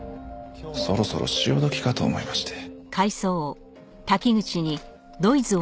そろそろ潮時かと思いまして。